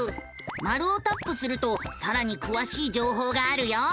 マルをタップするとさらにくわしい情報があるよ。